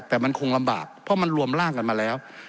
แต่มันคงลำบากเพราะมันรวมร่างกันมาแล้ว